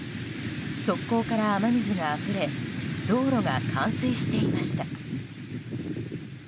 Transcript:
側溝から雨水があふれ道路が冠水していました。